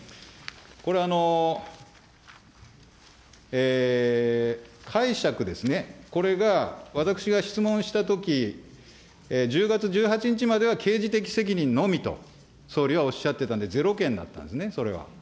これ、解釈ですね、これが、私が質問したとき、１０月１８日までは刑事的責任のみと、総理はおっしゃってたんで、０件だったんですね、それは。